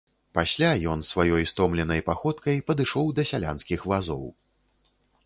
Пасля ён сваёй стомленай паходкай падышоў да сялянскіх вазоў.